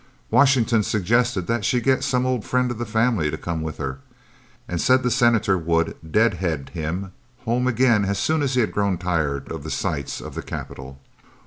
Washington suggested that she get some old friend of the family to come with her, and said the Senator would "deadhead" him home again as soon as he had grown tired of the sights of the capital.